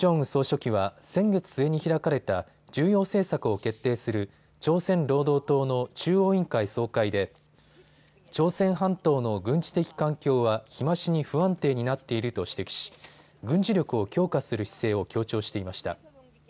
総書記は先月末に開かれた重要政策を決定する朝鮮労働党の中央委員会総会で朝鮮半島の軍事的環境は日増しに不安定になっていると指摘し軍事力を強化する姿勢を強調していました。